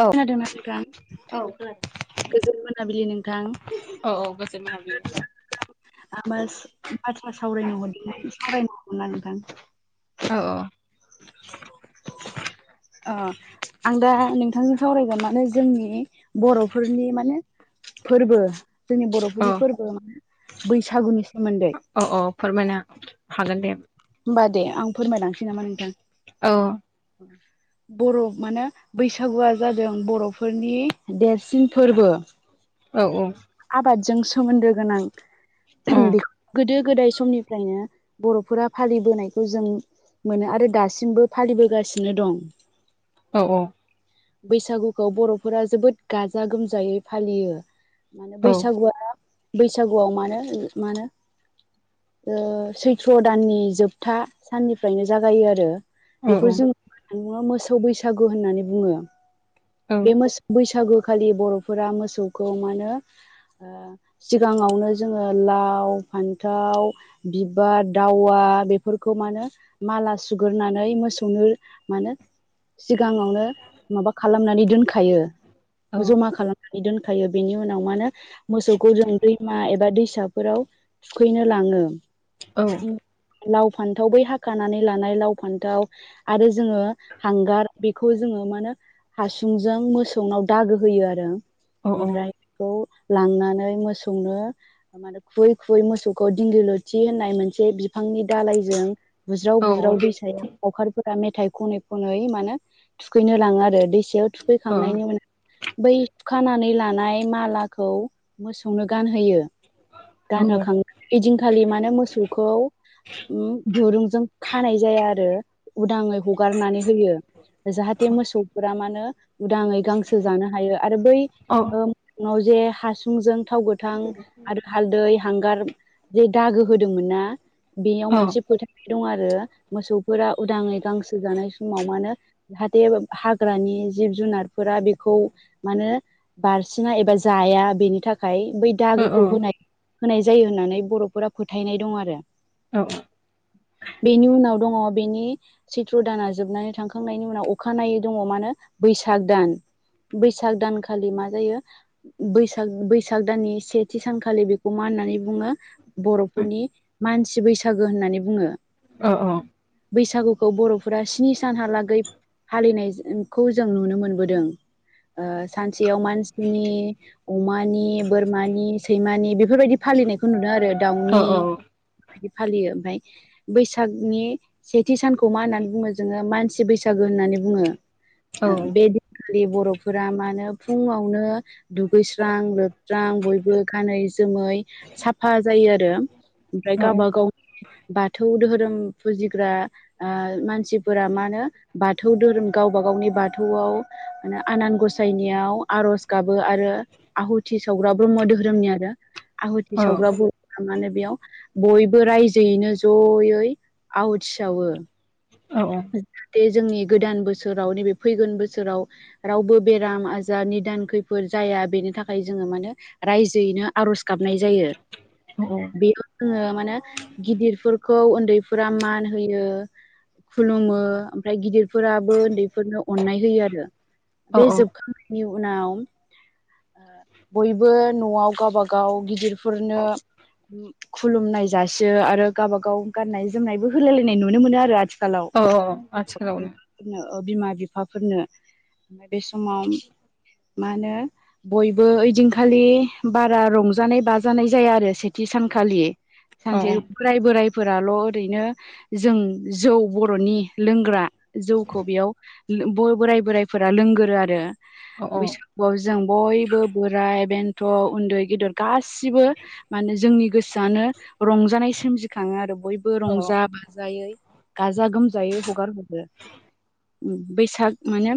औ ना नोंथां गोजोन मोनाबिलि नोंथां औ औ गोजोन मोनाबिलि [unintelligible] नोंथां औ औ अ आं दा नोंथांजों सावरायगोन माने जोंनि बर'फोरनि माने फोरबो जोंनि औ बर'फोरनि फोरबो माने बैसागुनि सोमोन्दै औ औ फोरमायनो हागोन दे होमबा दे आं फोरमायलांनोसै नामा नोंथां औ [inaudible] बर' माने बैसागुआ जादों बर'फोरनि देरसिन फोरबो। औ औ आबादजों सोमोन्दो गोनां औ बे गोदो गोदाय समनिफ्रायनो बर'फोरा फालिबोनायखौ जों मोनो आरो दासिमबो फालिबोगासिनो दं। औ औ बैसागुखौ बर'फोरा जोबोद गाजा गोमजायै फालियो। माने औ बैसागुआ बैसागुआव मानो मानो ओ सैथ्र' दाननि जोबथा साननिफ्रायनो जागायो आरो औ बेखौ जो ङो मोसौ बैसागु होननानै बुङो बे मोसो बैसागु खालि बर'फोरा मोसौखौ मानो ओ सिगाङावनो जोङो लाव फान्थाव बिबार दावा बेफोरखौ मानो माला सुग्रनानै मोसौनो मानो सिगाङावनो माबा खालामनानै दोनखायो। जमा खालामनानै दोनखायो बेनि उनाव मा होनो मोसौखौ जों दैमा एबा दै साफोराव थुखैनो लाङो। औ लाव फान्थाव बै हाखानानै लानाय लाव फान्थाव आरो जोङो हांगार बेखौ जोङो माहोनो हासुंजों मोसौनाव दागो होयो आरो ओमफ्राय बेखौ लांनानै मोसौनो माने खुुबै खुै मोसौखौ दिंगि ल'थि होननाय मोनसे बिफांनि दालायजों बुज्राव बुज्राव दैसायाव लावखारफोर खुगा मेथाइ खनै खनै मानो थुखैनो लाङो आरो दैसायाव थुखैखांनायनि उनाव बै सुखानानै लानाय मालाखौ मोसौनो गानहोयो गानहोखां ओइदिनखालि मानो मोसौखौ उम दुरुंजों खानाय जाया आरो उदाङै हगारनानै होयो जाहाथे मोसौफोरा मानो उदाङै गांसो जानो हायो आरो ओ बै औ [unintelligible] जे हासुंजों थाव गोथां आरो हालदै हांगार जे दागो होदोंमोन ना बेयाव मोनसे फोथा दं आरो मोसौफोरा उदाङै गांसो जानाय समाव मा होनो जाहाथे हाग्रानि जिब जुनारफोरा बेखौ मानो बारसिना एबा जाया बेनि थाखाय थाखाय बै दागोखौ होनाय होनाय जायो होननानै बर'फोरा फोथायनाय दं आरो बेनि उनाव दङ' बेनि चैत्र दाना जोबनानै थांखांनायनि उनाव अखानायै दङ मा होनो बैसाग दान बैसाग दानखालि मा जायो बैसाग बैसाग दाननि सेथि सानखालि बे खौ मा होननानै बुङो बर'फोरनि मानसि बैसागो होननानै बुङो। अ औ बैसागुखौ बर'फोरा स्नि सानहालागै फालिनायखौ जों नुनो मोनबोदों ओ सानसेयाव मानसिनि अमानि बोरमानि सैमानि बे बेफोर बायदि फालिनायखौ नुदों आरो दाउनि बिदि फालियो ओमफ्राय बैसागनि सेथि सानखौ मा होननानै बुङो जोङो मानसि बैसागो होननानै बुङो। ओ बे दिनखालि बर'फोरा मा होनो फुङावनो दुगैस्रां लोब स्रां बयबो गानै जोमै साफा जायो आरो ओमफ्राय गावबा गावनि बाथौ धोरोम फुजिग्रा ओ मानसि फोरा मा होनो बा बाथौ धोरोम गावबा गावनि बाथौआव माने आनान गसायनाययाव आरज गाबो आरो आहुथि सावग्रा ब्रह्म धोरोमनिया आरो आहुथि सावग्रा बर'फ्रा माने बेयाव बयबो रायजोयैनो जयै आवथि सावो [inaudible] जोंनि गोदान बोसोराव नैबे फैगोन बोसोराव रावबो बेराम आजार निदान खैफोद जाया या बेनि थाखाय जोङो माने रायजोयैनो आर'ज गाबनाय जायो बेयाव जोङो मानो गिदिरफोरखौ उन्दैफोरा मान होयो खुलुमो ओमफ्राय गिदिरफोराबो उन्दैफोरनो अननाय होयो आरो। औ बे जोबखांनायनि उनाव ओ बयबो न'आव गावबा गाव गिदिरफोरनो खुलुमनाय जासियो आरो गावबा गाव गाननाय जोमनायबो होलाय लायनाय नुनो मोनो आरो आथिखाल आथिखालाव औ आथिखालावनो [unintelligible] ओ बिमा बिफाफोरनो ओमफ्राय बे समाव मा होनो बयबो ओइदिनखालि बारा रंजानाय बाजानाय जाया आरो सेथि सानखालि औ सानसे बोराय बोरायफोराल' ओरैनो जों जौ बर'नि लोंग्रा जौखौ बेयाव बय बोराइ बोराइफोरा लोंगोरो आरो। औ बैसागुआव जों बयबो बोराय बेन थ' उन्दै गेदेर गासिबो माने जोंनि गोसोआनो रंजानाय सोमजिखाङो आरो बयबो औ रंजा बाजायै गाजा गोमजायै हगार हरो उम बैसाग माने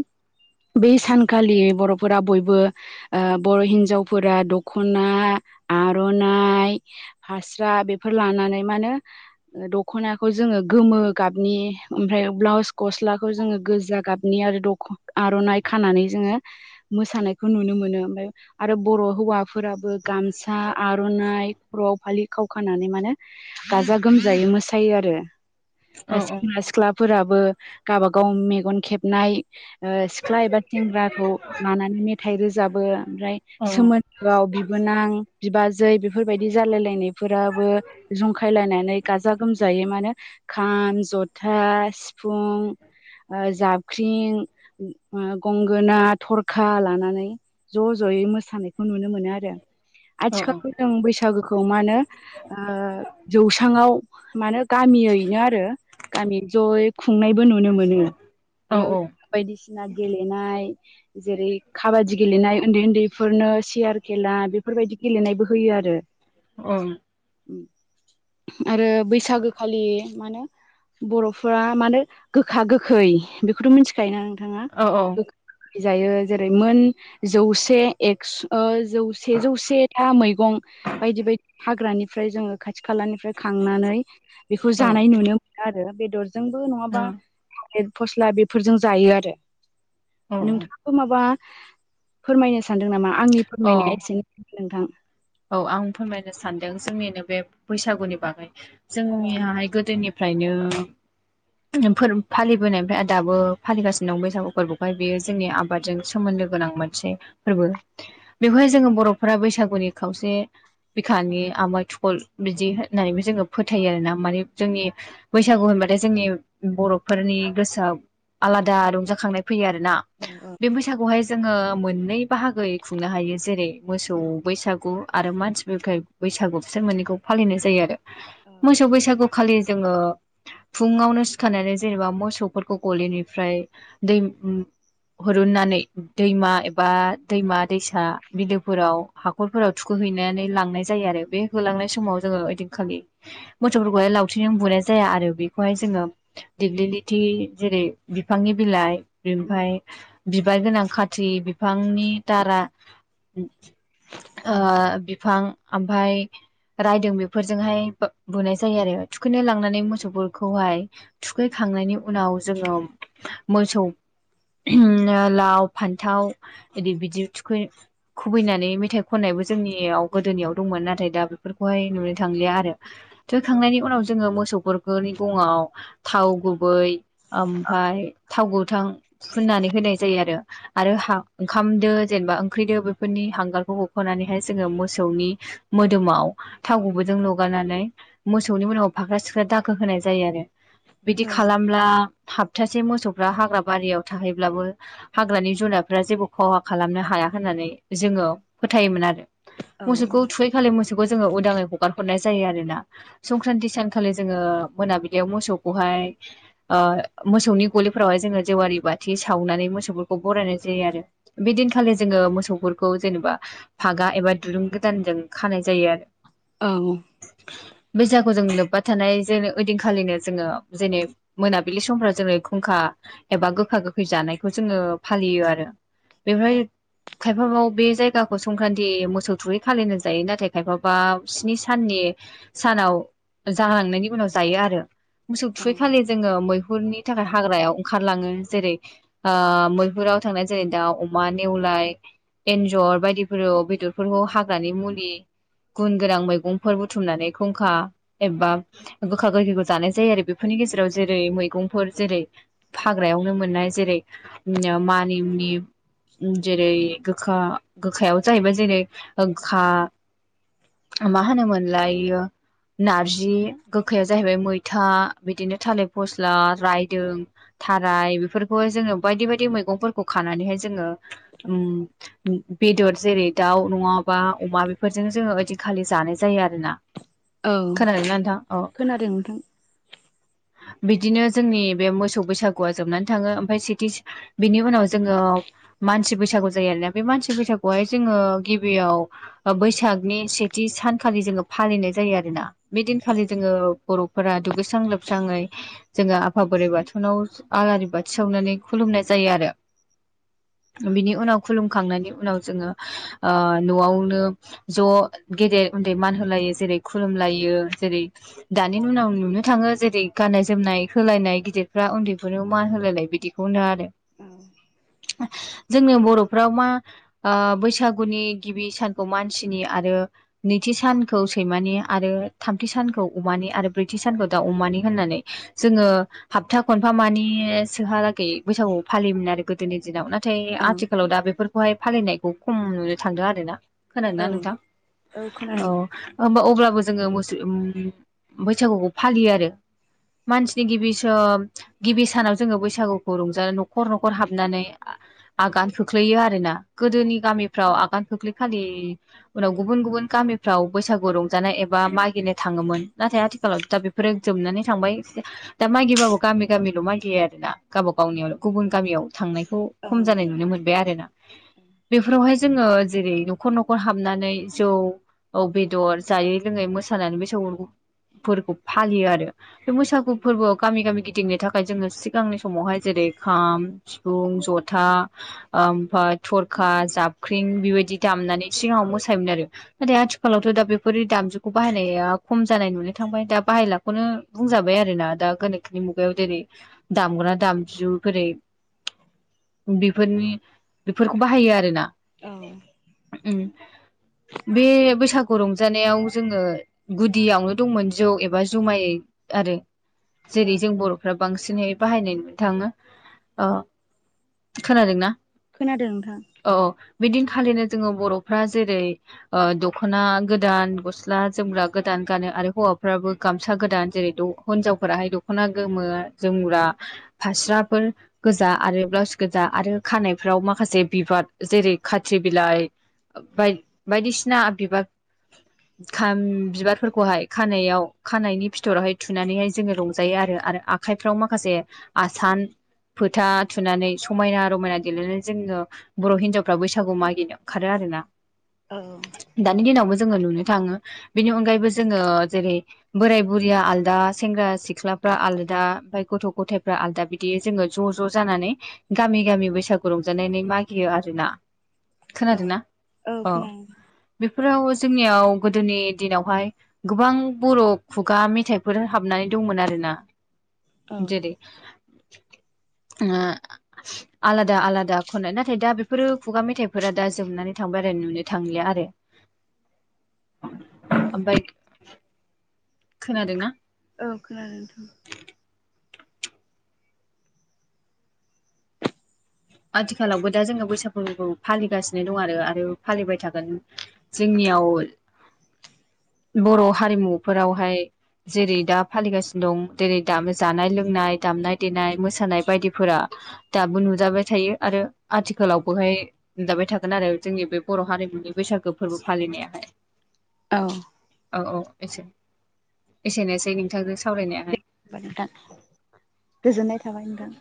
बै सानखालि बर'फ फोरा बयबो आ बर' हिन्जावफोरा दख'ना आर'नाइ फास्रा बेफोर लानानै मा होनो दख'नाखौ जोङो गोमो गाबनि ओमफ्राय ब्लाउस गस्लाखौ जोङो गोजा गाबनि आरो दख' आर'नाइ खानानै जों मोसानायखौ नुनो मोनो ओमफ्राय आरो बर' हौवाफोराबो गामसा आर' नाय खर'आव फालि खावखानानै माने गाजा गोमजायै मोसायो आरो औ औ सेंग्रा सिख्लाफोराबो गावबा गाव मेगन खेबनाय सिख्ला एबा सेंग्राखौ लानानै मेथाइ रोजाबो ओमफ्राय सोमोन्दोआव बिबोनां बिबाजै बेफोरबायदि जालायलायनायफोराबो जंखायलायनानै गाजा गोमजा जायो मानो खाम जथा सिफुं जाबख्रिं गंगो गोना थरखा लानानै ज' ज'यै मोसानायखौ नुनो मोनो आरो आथिखालाव जों बैसागोखौ मा होनो जौसांआव मानो गामि यैनो आरो गामि जय खुंनायबो नुनो मोनो बेयाव बायदिसिना गेलेनाय जेरै काबादि गेलेनाय उन्दै उन्दैफोरनो सियार खेला बेफोरबायदि गेलेनायबो होयो आरो आरो बैसागो खालि मा होनो बर'फोरा मानो गोखा गोखै बेखौथ' मिथिखायोना नोंथाङा जायो जेरै मोन जौसे एक्स जौसे जौसे था मैगं बायदि बायदि हाग्रानिफ्राय जोङो खाथि खालानिफ्र ओमफ्राय खांनानै बेखौ औ औ जानाय नुनो मोनो आरो बेदरजोंबो औ नङाबा फस्ला बेफोरजों जायो आरो औ नोंथांखौ माबा फोरमायनो सान सानदों नामा आंनि औ फोरमायनाया एसेनो नोंथां औ आं फोरमायनो सानदों जोंनिनो बे बैसागुनि बागै जोंनियाहाय गोदोनि ओमफ्रायनो फालिबोनायनिफ्राय दाबो फालिगासिनो दं बैसागु फोरबोहाय बेयो जोंनि आबादजों सोमोनदो गोनां मोनसे फोरबो बेवहाय जोङो बर'फोरा बैसागुनि खावसे बिखानि आमाद थुखल बिदि होननानैबो जोङो फोथायो आरोना माने जोंनि बैसागु होनबाथाय जोंनि बर'फोरनि गोसोआव आलादा रंजाखांनाय फैयो आरो ना बे बैसागुआवहाय जोङो मोननै बाहागोयै खुंनो हायो जेरै मोसौ बैसागु आरो मानसिफोर बैसागु बिसोर मोनैखौ फालिनाय जायो आरो मोसौ बैसागु खालि जोङो फुङावनो सिखारनानै जेनेबा मोसौफोरखौ गलिनिफ्राय दै हरुननानै दैमा एबा दैमा दैसा बिलोफोराव हाख खरफोराव थुखोहैनानै लांनाय जायो आरो बे होलांनाय समाव जोङो ओइदिनखालि मोसौफोरखौहाय लावथि बुनाय जाया आरो बेखौहाय जोङो दिगलिथि जेरै बिफांनि बिलाइ बेमफ्राय बिबार गोनां खाथ्रि बिफांनि दारा ओ बिफां ओमफाय रायदों बेफोरजोंहाय बुनाय जायो आरो थुखैनो लांनानै मोसौफोरखौहाय थुखैखां थांनायनि उनाव जोङो मोसौ लाव फान्थाव ओरै बिदि थुखै खुबैनानै मेथा थाइ खन्नायबो जोंनियाव गोदोनियाव दंमोन नाथाय दा बेफोरखौहाय नुनो थांलिया आरो थोखांनायनि उनाव जोङो मोसौफोरखौनि गङाव थाव गुबै ओमफ्राय थाव गोथां फुननानै होनाय जायो आरो आरो हा ओंखामदो जेनेबा ओंख्रिदो बेफोरनि हांगार बख'नानैहाय जोङो मोसौनि मोदोमाव थाव गुबैजों लगारनानै मोसौनि उनाव फाख्रा सिख्रा दाखो होनाय जायो आरो बिदि खालामब्ला हाबथासे मोसौफ्रा हाग्रा बारियाव थाहैब्लाबो हाग्रानि जुनारफोरा जेबो खहा खालामनो हाया नानै जोङो फोथायोमोन आरो मोसौखौ थुखै खालि मोसौखौ जोङो उदाङै हगार हरनाय जायो आरोना संक्रान्ति सानखालि जोङो मोनाबिलियाव मोसौखौहाय ओ मोसौनि गलिफोरावहाय जोंङो जेवारि बाथि सावनानै मोसौफोरखौ बरायनाय जायो आरो बेदिनखालि जोंङो मोसौफोरखौ जेनेबा फागा एबा दुरुं गोदानजों खानाय जायो आरो औ जों लोबबा थानाय जेन ओदिनखालिनो जोंङो जेनै मोनाबिलि समफ्राव जोंङो खुंखा एबा गोखा गोखै जानायखौ जोंङो फालियो आरो बेनिफ्राय खायफाव बे जाय संक्रान्ति मोसौ थुरै खालिनो जायो नाथाय खायफाबा स्नि साननि सानाव जालांनायनि उनाव जायो आरो मोसौ औ थुखै खालि जोंङो मै मैहुरनि थाखाय हाग्रायाव ओंखारलांङो जेरै मैहुराव थांनाय जेरै दाउ अमा नेवला एन्जर बायदिफोराव बेदरफोरखौ हाग्रानि मुलि गुन गोनां मैगंफोर बुथुमनानै खुंखा एबा गोखा गोखैखौ जानाय जायो आरो बेफोरनि गेजेराव जेरै मैगंफोर जेरै हाग्रायावनो मोननाय जेरै मानिमुनि जेरै गोखा गोखायाव जाहैबाय जेरै गोखा माहोनो मोनलाय इयो नारजि गोखाया जाहैबाय मैथा बिदिनो थालिर फस्ला रायदों थाराय बे बेफोरखौहाय जोंङो बायदि बायदि मैगंफोरखौ खानानैहाय जोंङो बेदर जेरै दाउ नंङाबा अमा बेफोरजों जोङो ओदिखालि जानाय जायो आरोना औ खोनादोंना नोंथां औ खोनादों नोंथां बिदिनो जोंनि बे मोसौ बैसागुआ जोबनानै थांङो ओमफफ्राय सिटि बिनि उनाव जोंङो मानसि बैसागु जायो आरोना बे मानसि बै बैसागुआवहाय जोंङो गिबियाव बैसागनि सेथि सानखालि जोंङो फालिनाय जायो आरो बेदिनखालि जोंङो बर'फोरा दुगैस्रां लोबस्राङै जोंङो आफा बोराइ बाथौनाव आलारि बाथि सावनानै खुलुमनाय जायो आरो बिनि उनाव खुलुमखांनानै उनाव जोंङो न'आवनो ज' गेदेर उन्दै मान होलायो जेरै खुलुम जेरै दानि उनाव नुनो थाङो जेरै गाननाय - जोमनाय होलायनाय गिदिरफ्रा उन्दै बेफोर मान होलायलाय बिदिखौनो आरो [inaudible] जोंनो बर'फ्राव मा अ बैसागुनि गिबि सानखौ मानसिनि आरो नैथि सानखौ सैमानि आरो थामथि सान अम आरो ब्रैथि सानखौ दा अमानि होननानै जोंङो हाथा खनफा म सोहालागै बैसागुआव फालिमोन आरो गोदोनि दिनाव ना नाथाय औ आथिखालाव दा बेफोरखौहाय फालिनायखौ खम नुनो थांदों आरो ना खोनाया औ नोंथां औ होनबा अब्ला जोंङो मोस बैसागुखौ फालियो आरो मानसिनि गिबिस गिबि सानाव जोंङो बैसागुखौ रंजानो न'खर न'खर हाबनानै आगान खोख्लैयो आरोना गोदोनि गामिफ्राव आगान खोख्लैखालि उनाव गुबुन गुबुन गामिफ्राव बैसागु रंजानाय एबा मागिनो थांङोमोन नाथाय आथिखालाव दा बेफोरो जोबनानै थांबाय दा मागिबाबो गामि गामि ल' मागियो आरोना गावबा गावनियाव गुबुन गामियाव थांनायखौ खम औ जानाय नुनो मोनबाय आरोना बेावहाय जोंङो जेरै न'खर न'खर हाबनानै जौ औ बेदर जायै लोंङै मोसानानै बैसागोफोरखौ फालियो आरो बे बैसागु फोरबोआव गामि गामि गिदिंनो थाखाय ओ जोंङो सिगांनि समावहाय जेरै खाम सिफुं जथा ओमफ्राय थर खा जाबख्रिं बेबायदि दामनानै सिगांङाव मोसायोमोन आरो नाथाय आथिखालावथ' दा बेफोर दामजुखौ बाहायनाया खम जानाय नुनो थांबाय दा बाहायलाखौनो बुंजाबाय आरो ना दा गोनोखोनि मुगायाव जेरै दामग्रा दामजु जेरै बेफोरनि बे बाहायो आरोना औ बे बैसागु रंजानायाव जोंङो गुदियावनो दंमोन जौ एबा जुमाय आरो औ जेरै जों बर'फ्रा बांसिननै बाहायनायनो थांङो खोनादोंना खोनादों नोंथां औ औ बिदिनो खालिनो जोङो बर'फ्रा जेरै दख'ना गोदान गस्ला जोमग्रा गोदान गानो आरो हौवाफ्राबो गामसा गोदान जेरै हिनजावफोराहाय दख'ना गोमो जोमग्रा फास्राफोर गोजा आरो ब्लाउस गोजा आरो खानायफ्राव माखासे बिबार जेरै खाथ्रि बिलाइ ब बायदिसिना बिबार खाम बिबारफोरखौहाय खानायाव खानायनि फिथरावहाय थुनानैहाय जोङो रंजायो आरो आखाइफ्राव माखासे आसान फोथा थुनानै समायना रमायना देलायनानै जोङो बर' हिनजावफ्रा बैसागु मागिनो ओंखारो आरोना औ दानि दिनावबो जोङो नुनो थाङो बेनि अनगायैबो जोङो जेरै बोराय बुरिया आलदा सेंग्रा सिख्ला आलादा ओमफ्राय गथ' गथायफ्रा आलदा बिदि जोङो ज' ज' जानानै गामि गामि बैसागु रंजानानै नागिरो आरो ना औ खोनादों ना औ बे फोराव जोंनियाव गोदोनि दिनावहाय गोबां बर' खुगा मेथाइफोर हाबनानै दं दंमोन आरोना औ जेरै आ आलादा आलादा खननाय नाथाय दा बेफोरो खुगा मेथाइफोरा दा जोबनानै थांबाय आरो नुनो थांलिया आरो ओमफ्राय खोनादोंन औ खोनादोंथ' आथिखालावबो दा जोङो बैसाग फोरबोखौ फालिगासिनो दं आरो आरो फालिबाय थागोन जोंनि बर' हारिमुफोरावहाय जेरै दा फालिगासिनो दं जेरै दा जानाय लोंनाय दामनाय देनाय मोसानाय बायदिफोरा दाबुन नुजाबाय थायो आरो आथिखालावबोहाय दाबाय थागोन आरो जोंनि बे बर' हारिमुनि बैसागो फोरबो फालिनाय मैयाहाय औ औ औ एसे एसेनोसै नोंथांजों दे सावरायनायाहाय गोजोननाय थाबाय नोंथां